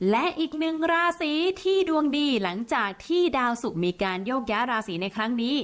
และอีกหนึ่งราศีที่ดวงดีหลังจากที่ดาวสุกมีการโยกย้าราศีในครั้งนี้